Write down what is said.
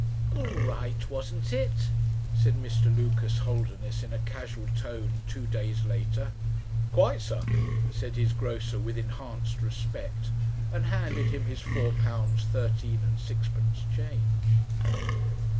"All right, wasn't it?" said Mr. Lucas Holderness in a casual tone two days later. "Quite, sir," said his grocer with enhanced respect, and handed him his four pounds thirteen and sixpence change.